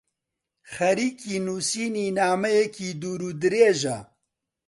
خەریکی نووسینی نامەیەکی دوورودرێژە.